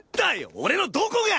俺のどこが。